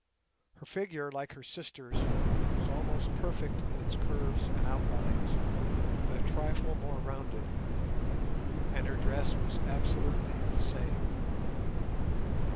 Her figure, like her sister's, was almost perfect in its curves and outlines, but a trifle more rounded, and her dress was absolutely the same.